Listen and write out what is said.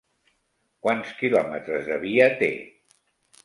Quants quilòmetres de via té?